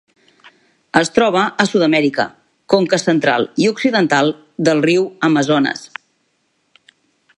Es troba a Sud-amèrica: conca central i occidental del riu Amazones.